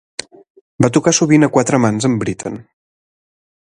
Va tocar sovint a quatre mans amb Britten.